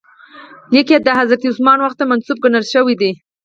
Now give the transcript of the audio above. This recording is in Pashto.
لیک یې د حضرت عثمان وخت ته منسوب ګڼل شوی دی.